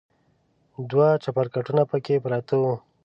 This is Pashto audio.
دوه چپرکټونه پکې پراته و.